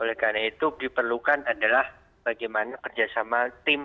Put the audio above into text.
nah yang terpenting untuk diperlukan adalah bagaimana kerjasama tim